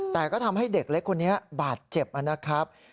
แต่ก็ทำให้เด็กเล็กคนนี้บาดเจ็บนะครับ